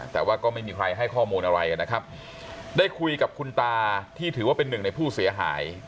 แต่ว่าก็ไม่มีใครให้ข้อมูลอะไรกันนะครับได้คุยกับคุณตาที่ถือว่าเป็นหนึ่งในผู้เสียหาย